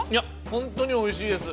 ◆本当においしいです。